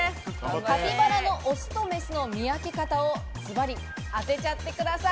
カピバラのオスとメスの見分け方をズバリ当てちゃってください。